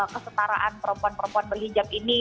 kesetaraan perempuan perempuan berhijab ini